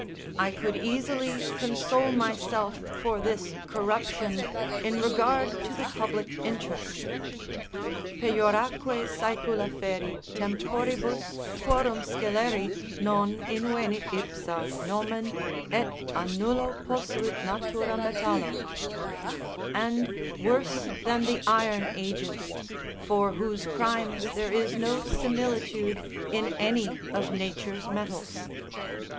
I could easily console myself for this corruption in regard to the public interest: "Pejoraque saecula ferri Temporibus, quorum sceleri non invenit ipsa Nomen, et a nullo posuit natura metallo;" ["And, worse than the iron ages, for whose crimes there is no similitude in any of Nature's metals."